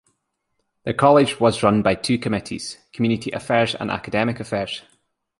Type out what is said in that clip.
The college was run by two committees: Community Affairs and Academic Affairs.